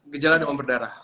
gejala demam berdarah